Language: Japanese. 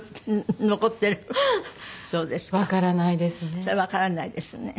それわからないですね。